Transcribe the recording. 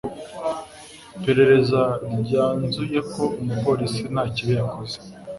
Iperereza ryanzuye ko umupolisi nta kibi yakoze